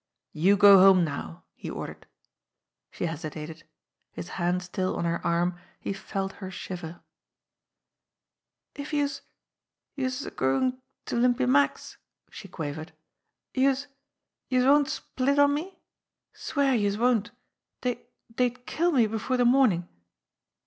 "You go home now," he ordered. She hesitated. His hand still on her arm, he felt her shiver. "If youse youse're goin' to Limpy Mack's," she quav ered, "youse youse won't split on me ? Swear youse won't ! Dey dey'd kill me before de mornin' !"